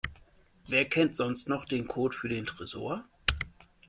Wer kennt sonst noch den Code für den Tresor?